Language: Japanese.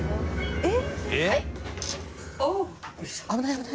えっ？